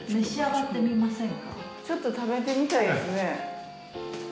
ちょっと食べてみたいですね。